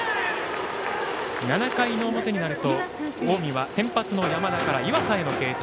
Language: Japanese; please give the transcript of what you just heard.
７回の表になると近江は先発の山田から岩佐への継投。